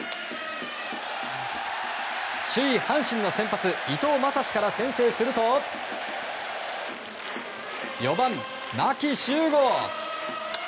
首位、阪神の先発伊藤将司から先制すると４番、牧秀悟。